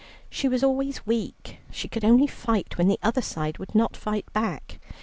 She was always weak, she could only fight when the other side would not fight back.